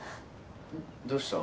どうした？